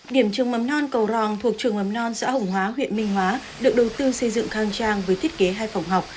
điểm trường mầm non cầu rong thuộc trường mầm non xã hồng hóa huyện minh hóa được đầu tư xây dựng khang trang với thiết kế hai phòng học